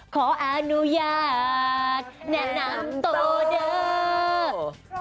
ขออนุญาตแนะนำตัวเดอร์